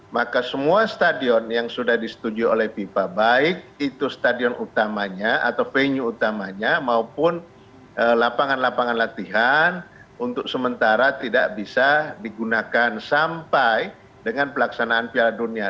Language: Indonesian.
jadi itu stadion yang sudah disetujui oleh fifa baik itu stadion utamanya atau venue utamanya maupun lapangan lapangan latihan untuk sementara tidak bisa digunakan sampai dengan pelaksanaan piala dunia